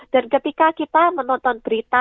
dan ketika kita menonton berita